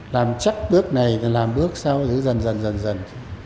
làm chắc bước này làm bước sau giữ dần dần dần dần